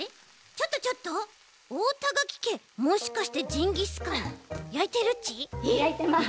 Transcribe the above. ちょっとちょっとおおたがきけもしかしてジンギスカンやいてるち？やいてます！